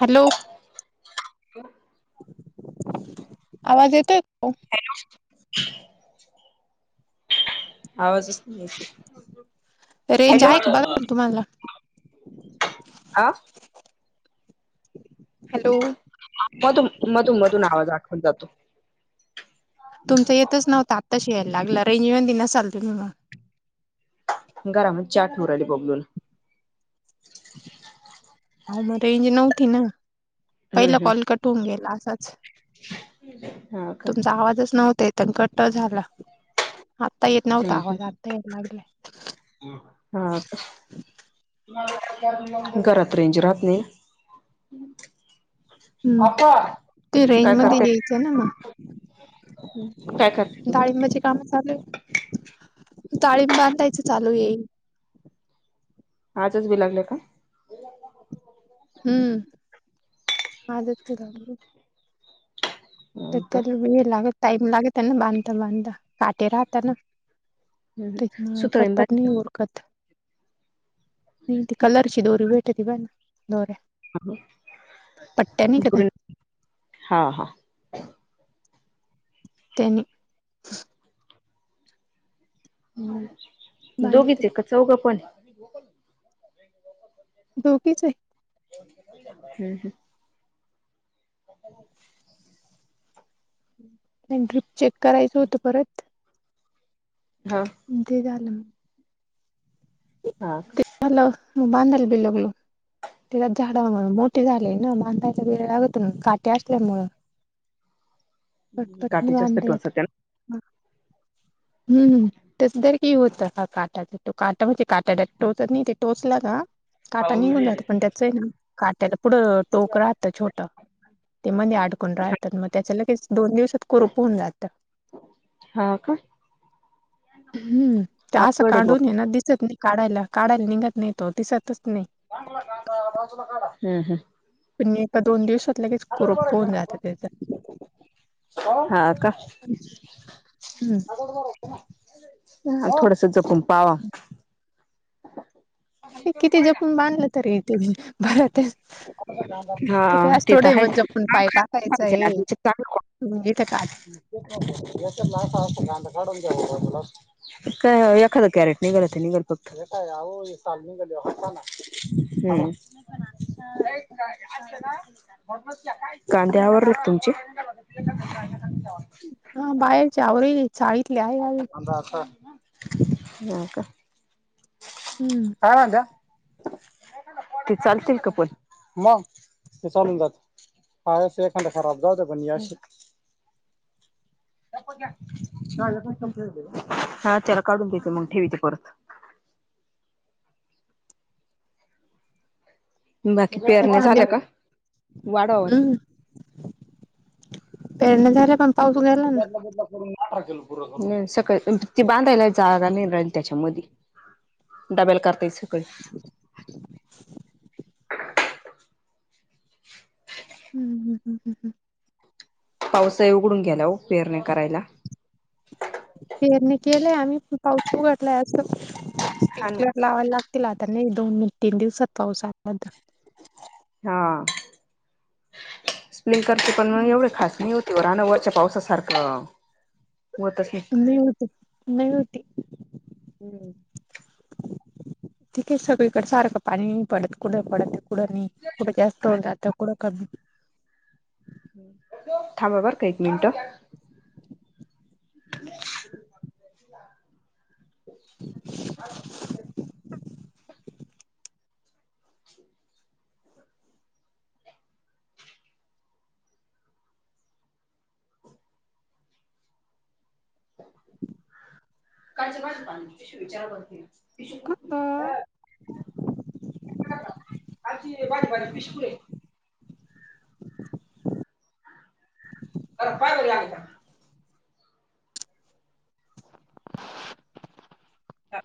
Hello ह आवाज येतोय? आवाज येत नाही रेंज हॅलो आहे का बघा तुम्हाला हा हॅलो मधून मधून मधून आवाज आखवून जातो. तुमच येतच नव्हता आता श यायला लागलं रेंज मध्ये नसाल तुम्ही मग घरामध्ये ट उरली बघलून रेज नव्हती ना? हम्म पहिला कॉल हम्म कटवून गेला असाच हा का तुमचा आवाजच नव्हता कट झालं आता येत नव्हता हम्म आवाज हम्म आता यायला लागलाय हा का घरात रेंज राहात नाही हम्म अ ते काय रेंज मध्ये करते यायचं ना मग ह् काय करते तू तांबाचे काम चालू ताळम बांधायच चालू येईल आजच भी लागले काय. हम्म आ. तर हो का त्याला लागत टाइम लागेत ना बांधता बांधता काटे राहता ना. हम्म त्याची सुतळी पटपट बांध नाही ओळखत. नाही त कलरची दोरी भेटी ब ना दोऱ्या. पट्ट्या नाही का त्या हा हा. त्यांनी ह दोघीच बांधिते आहे का चौघं पण. दोघेच आहे. हम्म ह्. हम्. आणि ड्र्रीप चेक करायचं होतं परत. हा. ते झालं. हा का. हॅलो बांधल बिलगल. त्याच्या झाडा म्हणून मोठे झाले ना मांायचा वेर लागत काटे असल्यामु. पटपटणी काठी जास्त बांधेत. टोचते ना हम्म हम. तसदर की होतं काटाचा तो काटा म्हणजे काटा टोचत नाही ते टोचला का. काटा निघून जात पण त्याच आहे ना काट्याला पुढं टोक राहतं छोटं. ते मध्ये अडकून राहतात मग त्याच्या ल दोन दिवसात कोुप होन जातं. हा का. हम्म ते असं अवघड आहे बुवा. काढून ये ना दिसत नाही काढायला काढायला निघत नाही तो दिसतच नाही. चां हम हम. पण म एका दोन दिवसात लगेच कोप भरायचे होऊन ना जातं आपण त्याचं. हा का. हम्म थोडस जपून पावा. किती जपून बांधलं तर येते म भरत. हा ते तर आहे मग जपून आणयच ना तुमचे चांग ज तर काट च्या असा असत कांध काढून घ्या तला एखदा कॅरेट निघलत निघडपघत निघ हम ह एक का अ का कांद्या आवरत तुमची हा बाहेचीवर शाळेतले आहे अजून का हम्म आम जा ते चालतील कापण मग ते चालून जात हा से खंड खराब जाते बन हा चला काढून देते मग ठेवित परत बाकी ते पेरण्या कांदे झालया का वाढवावत. हम्म पेरण्या झाे प नाही ग बुला सकाळी ते बांधायला जाा नाही राहिल त्याच्यामध्ये डबल करतेसक हम् हम हम ह् ह्म पावसा उघडून ग्याला पेअरणे करायला पेरणी केलेय आम्ही पाऊस उघडलाय असं हा ना स् लावाला लागत तिला आता नाही दोन तीन दिवसात पाऊस आलात हा स्पलिंकरचे पण मग एवढे खास नाही होते व राना वरच्या पावसासारखं हो त नूट नूट नाही तठीक आहे सगळीकडे सारखं पाणी पडत कुढ पडत क नाही कुठं जास्त होऊ जातं कमी थांबा बरं का एक मिनिट [inaudible] कायचशी विचार कर कमी पश आची ब ब पिशक अ काय लाग का ह